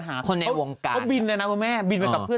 สั่งสัญญาณเรียบร้อย